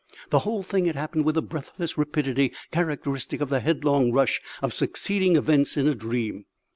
The whole thing had happened with the breathless rapidity characteristic of the headlong rush of succeeding events in a dream.